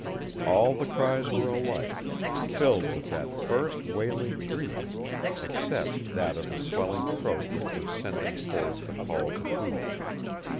All the cries were alike, filled with that first wailing grief, except that of the swelling throat which was sending forth the call to food.